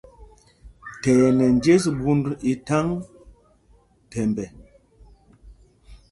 Thɛɛ ɛ nɛ njes gūnd i thaŋ thɛmbɛ.